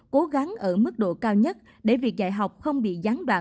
cố gắng ở mức độ cao nhất để việc dạy học không bị gián đoạn